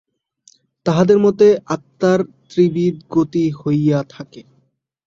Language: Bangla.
তাঁহাদের মতে আত্মার ত্রিবিধ গতি হইয়া থাকে।